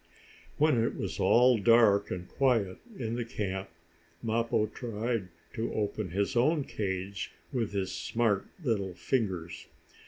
When it was all dark and quiet in the camp, Mappo tried to open his own cage with his smart little fingers.